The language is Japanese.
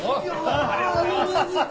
ありがとうございます。